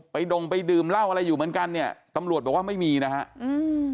ดงไปดื่มเหล้าอะไรอยู่เหมือนกันเนี่ยตำรวจบอกว่าไม่มีนะฮะอืม